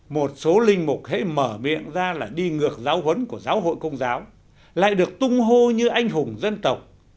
một số linh mục hãy mở miệng ra là đi ngược giáo huấn của giáo hội công giáo lại được tung hô như anh hùng dân tộc